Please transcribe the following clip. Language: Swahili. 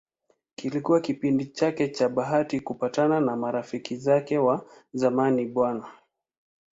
Kilikuwa kipindi chake cha bahati kukutana na marafiki zake wa zamani Bw.